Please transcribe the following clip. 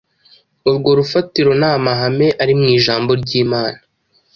Urwo rufatiro ni amahame ari mu ijambo ry’Imana